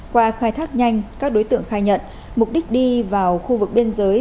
qua khai thác nhanh các đối tượng khai nhận mục đích đi vào khu vực biên giới